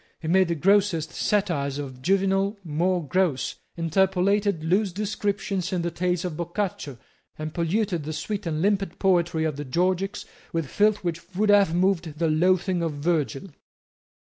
He made the grossest satires of Juvenal more gross, interpolated loose descriptions in the tales of Boccaccio, and polluted the sweet and limpid poetry of the Georgics with filth which would have moved the loathing of Virgil.